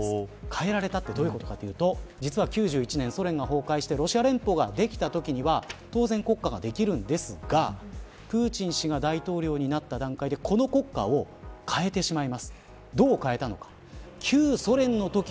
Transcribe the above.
変えられたというのはどういうことかというと実は、１９９１年ロシア連邦ができたときは当然、国歌ができるんですがプーチン氏が大統領になった段階でこの国歌を変えてしまいます。